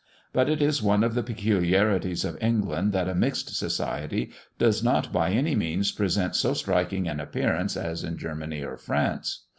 But it is one of the peculiarities of England, that a "mixed society" does not by any means present so striking an appearance as in Germany or France.